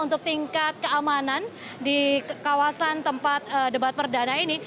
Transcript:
untuk tingkat keamanan di kawasan tempat debat perdana ini